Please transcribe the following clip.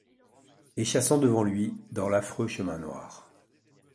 Et, chassant devant lui, dans l’affreux chemin noir